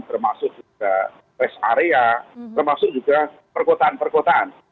termasuk juga rest area termasuk juga perkotaan perkotaan